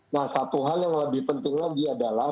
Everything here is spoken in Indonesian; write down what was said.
nah satu hal yang lebih penting lagi adalah